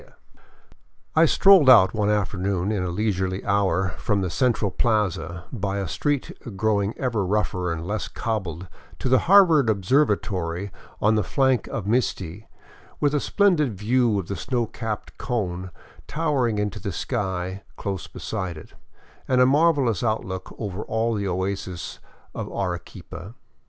486 THE COLLASUYU, OR " UPPER " PERU I strolled out one afternoon in a leisurely hour from the central plaza by a street growing ever rougher and less cobbled to the Harvard Observatory on the flank of Misti, with a splendid view of the snow capped cone towering into the sky close beside it and a marvelous outlook over all the oasis of Arequipa.